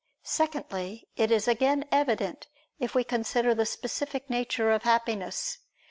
Secondly, it is again evident if we consider the specific nature of Happiness.